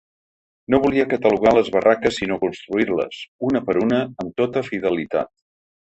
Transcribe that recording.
No volia catalogar les barraques sinó construir-les, una per una, amb tota fidelitat.